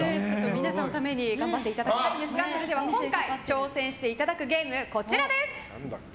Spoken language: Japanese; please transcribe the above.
皆さんのために頑張っていただきたいんですがそれでは今回挑戦していただくゲーム、こちらです。